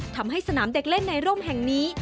ทำให้สนามเด็กเล่นในร่มแห่งนี้